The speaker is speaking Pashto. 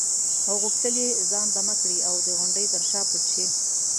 او غوښتل یې ځان دمه کړي او د غونډې تر شا پټ شي.